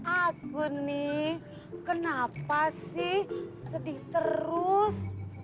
aku nih kenapa sih sedih terus